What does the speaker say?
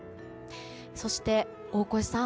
そして大越さん